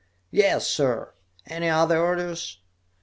"Yes, sir! Any other orders?"